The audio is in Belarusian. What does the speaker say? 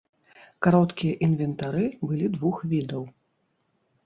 Кароткія інвентары былі двух відаў.